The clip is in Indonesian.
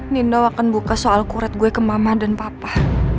nino akan buka soal coret gue ke mama dan papa